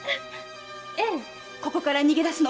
ここから逃げ出すの。